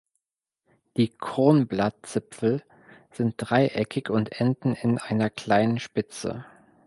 Die Kronblattzipfel sind dreieckig und enden in einer kleinen Spitze.